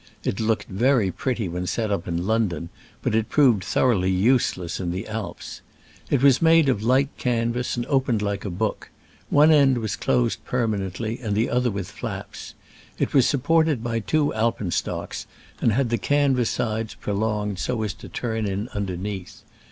It looked very pretty when set up in London, but it proved thoroughly use less in the Alps. It was made of light canvas, and opened like a book : one end was closed permanently and the other with flaps: it was supported by two alpenstocks, and had the canvas sides prolonged so as to turn in under neath.